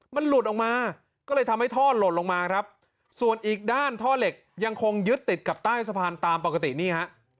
มันหลุดออกมาก็เลยทำให้ท่อหล่นลงมาครับส่วนอีกด้านท่อเหล็กยังคงยึดติดกับใต้สะพานตามปกตินี่ฮะ